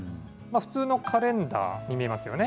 普通のカレンダーに見えますよね。